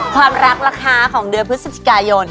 ความรักล่ะคะของเดือนพฤศจิกายน